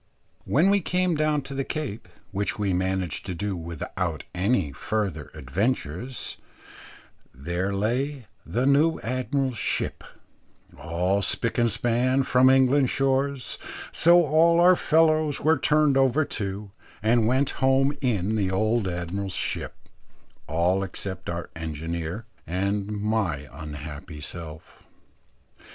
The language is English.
When we came down to the Cape, which we managed to do without any further adventures, there lay the new admiral's ship, all spick and span from England's shores, so all our fellows were turned over to, and went home in the old Admiral's ship, all except our engineer and my unhappy self.